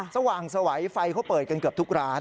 สว่างสวัยไฟเขาเปิดกันเกือบทุกร้าน